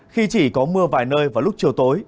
khi chỉ có mưa vài nơi vào lúc chiều tối